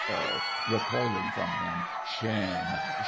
ALL (recoiling from him). Shame!